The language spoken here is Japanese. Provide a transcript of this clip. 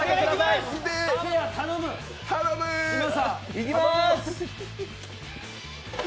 いきま−す